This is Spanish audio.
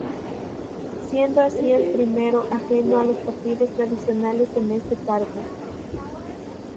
Siendo así el primero ajeno a los partidos tradicionales en este cargo.